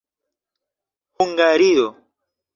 Hungario.